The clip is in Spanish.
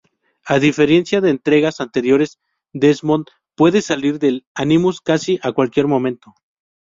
A diferencia de entregas anteriores, Desmond puede salir del Animus casi a cualquier momento.